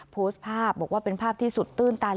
โพสต์ภาพบอกว่าเป็นภาพที่สุดตื้นตัน